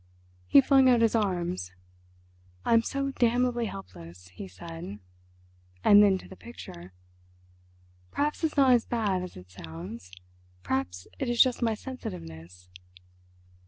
He flung out his arms, "I'm so damnably helpless," he said, and then, to the picture, "Perhaps it's not as bad as it sounds; perhaps it is just my sensitiveness."